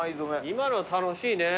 今のは楽しいね。